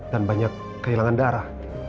dan banyak kehilangan darah